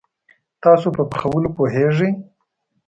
تاسو په پخولوو پوهیږئ؟